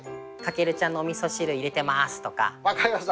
分かりました。